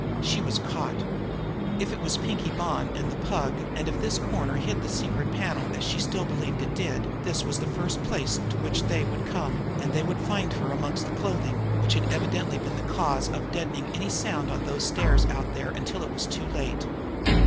She was caught! If it was Pinkie Bonn and the Pug, and if this corner hid the secret panel as she still believed it did, this was the first place to which they would come, and they would find her here amongst the clothing which had evidently been the cause of deadening any sound on those stairs out there until it was too late.